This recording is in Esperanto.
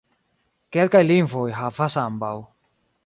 Kelkaj lingvoj havas ambaŭ.